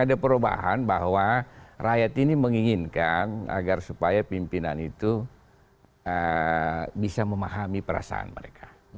ada perubahan bahwa rakyat ini menginginkan agar supaya pimpinan itu bisa memahami perasaan mereka